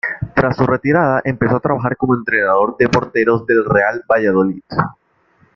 Tras su retirada, empezó a trabajar como entrenador de porteros del Real Valladolid.